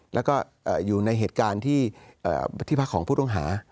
แล้วก็อยู่ในเหตุการณ์ที่พักของผู้ต้องหา